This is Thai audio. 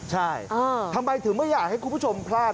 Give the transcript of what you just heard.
ใช่ทำไมถึงไม่อยากให้คุณผู้ชมพลาด